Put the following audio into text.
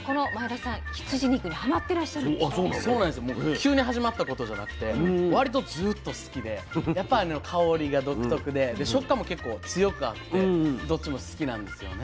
急に始まったことじゃなくてわりとずっと好きでやっぱあの香りが独特で食感も結構強くあってどっちも好きなんですよね。